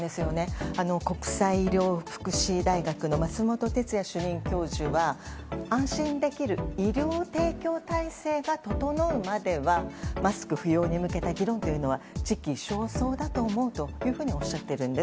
国際医療福祉大学の松本哲哉主任教授は安心できる医療提供体制が整うまではマスク不要に向けた議論というのは時期尚早だと思うとおっしゃっているんです。